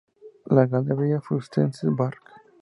La "Dalbergia frutescens" var.